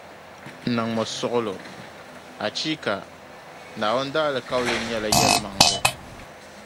Niŋmi suɣulo, Achiika! Naawuni daalikauli nyɛla yεlimaŋli.